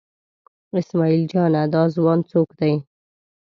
اسمعیل جانه دا ځوان څوک دی؟